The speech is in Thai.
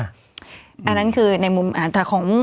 อันนั้นคือในมุมอาจจะของ